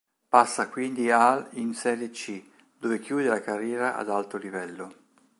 Passa quindi al in Serie C, dove chiude la carriera ad alto livello.